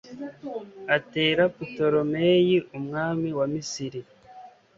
atera putolemeyi, umwami wa misiri